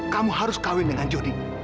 kamu harus kawin dengan jody